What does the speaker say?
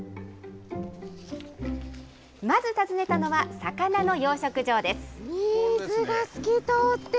まず訪ねたのは魚の養殖場です。